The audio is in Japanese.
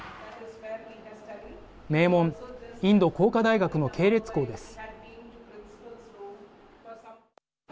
名門インド工科大学の系列校です。